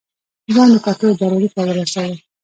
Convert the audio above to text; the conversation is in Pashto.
ځان مې ټاکلي دروازې ته ورساوه.